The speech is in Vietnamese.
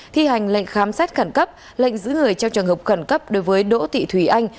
thi hành lệnh khám xét khẩn cấp lệnh giữ người trong trường hợp khẩn cấp đối với đỗ thị thủy anh